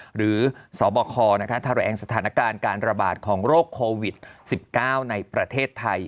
หรือสบคแถลงสถานการณ์การระบาดของโรคโควิด๑๙ในประเทศไทย